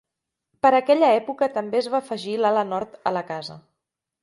Per aquella època també es va afegir l'ala nord a la casa.